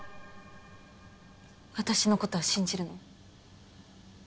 私の事は信じるの？